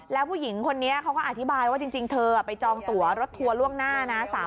แล้วผู้หญิงคนนี้เขาก็อธิบายว่าจริงเธอไปจองตัวรถทัวร์ล่วงหน้านะ